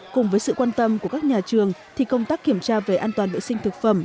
cùng với sự quan tâm của các nhà trường thì công tác kiểm tra về an toàn vệ sinh thực phẩm